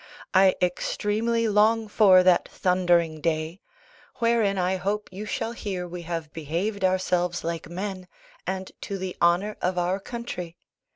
I extremely long for that thundering day: wherein I hope you shall hear we have behaved ourselves like men, and to the honour of our country.